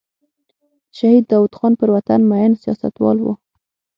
شهید داود خان پر وطن مین سیاستوال و.